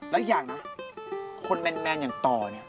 และอีกอย่างนะคนแม่นอย่างตอ